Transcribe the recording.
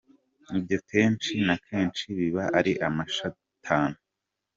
Ibyo kenshi na kenshi biba ari amashitani.